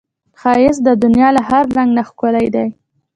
ښایست د دنیا له هر رنګ نه ښکلی دی